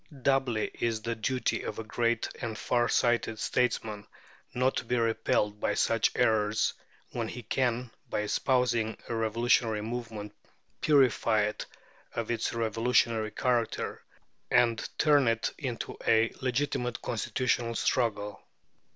Doubly is it the duty of a great and far sighted statesman not to be repelled by such errors, when he can, by espousing a revolutionary movement, purify it of its revolutionary character, and turn it into a legitimate constitutional struggle.